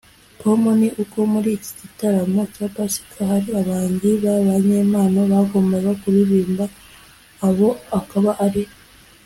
com ni uko muri iki gitaramo cya Pasika hari abahanzi b'abanyempano bagombaga kuririmba abo akaba ari